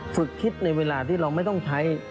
ฝึกคิดในเวลาที่เราไม่ต้องใช้